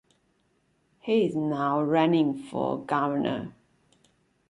He is now running for governor.